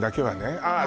ああ